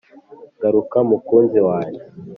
Garuka mukunzi wanjye